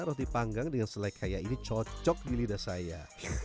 roti panggang dengan selek kaya ini cocok di lidah saya